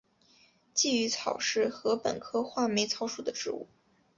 鲫鱼草是禾本科画眉草属的植物。